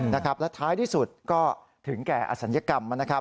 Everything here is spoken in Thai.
แล้วท้ายที่สุดก็ถึงแก่อศัลยกรรม